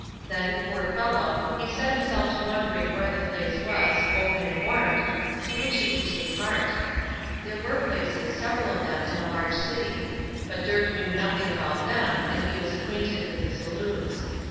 Then, poor fellow, he set himself to wondering where the place was, open and warmed, to which he could take Mart. There were places, several of them, in the large city; but Dirk knew nothing about them, and he was acquainted with the saloons.